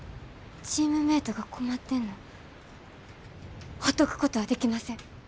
チームメイトが困ってんのほっとくことはできません。